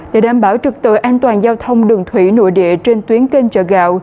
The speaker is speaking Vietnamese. để đảm bảo trực tự an toàn giao thông đường thủy nội địa trên tuyến kênh chợ gạo